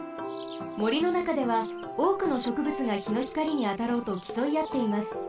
もりのなかではおおくのしょくぶつがひのひかりにあたろうときそいあっています。